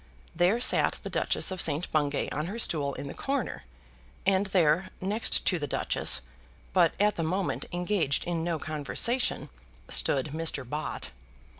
There sat the Duchess of St. Bungay on her stool in the corner, and there, next to the Duchess, but at the moment engaged in no conversation, stood Mr. Bott.